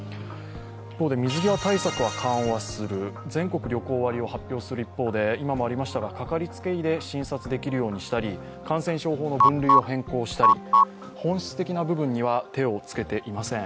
水際対策は緩和する、全国旅行割を発表する一方でかかりつけ医で診察できるようにしたり、感染症法上の分類に手をつけたり本質的な部分には手をつけていません。